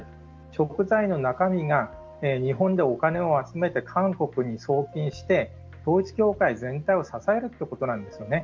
贖罪の中身が日本でお金を集めて韓国に送金して統一教会全体を支えるということなんですよね。